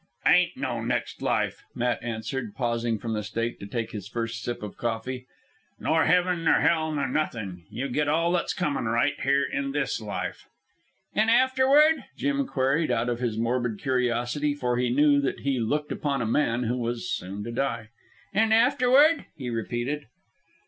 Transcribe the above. "Ain't no next life," Matt answered, pausing from the steak to take his first sip of coffee. "Nor heaven nor hell, nor nothin'. You get all that's comin' right here in this life." "An' afterward?" Jim queried out of his morbid curiosity, for he knew that he looked upon a man that was soon to die. "An' afterward?" he repeated.